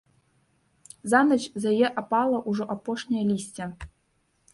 За ноч з яе апала ўжо апошняе лісцё.